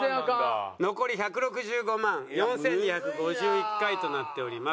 残り１６５万４２５１回となっております。